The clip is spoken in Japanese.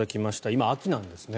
今、秋なんですね。